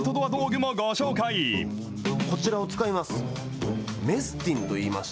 こちらを使います。